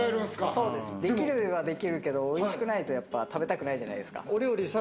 できるはできるけど、美味しくないと、やっぱ食べたくないじゃないですか。